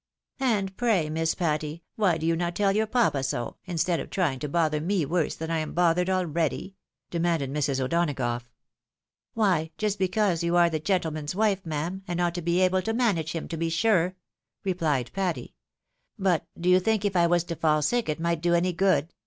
" And pray. Miss Patty, why do you not tell your papa so, instead of trying to bother me worse than I am bothered already ?" demanded Mrs. O'Donagough. " Why, just because you are the gentleman's wife, ma'am, and ought to be able to manage him, to be sure," rephed Patty. " But do you think if I was to fall sick, it might do any good